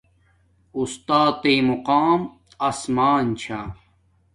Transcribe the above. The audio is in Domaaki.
اُستات تݵ مقام اسمان چھا